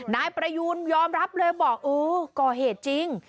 นายประยูนยอมรับเลยบอกโอ้ก่อเหตุจริง